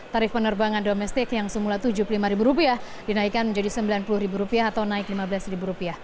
tarif penerbangan domestik yang semula rp tujuh puluh lima dinaikkan menjadi rp sembilan puluh atau naik rp lima belas